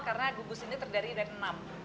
karena gugus ini terdiri dari enam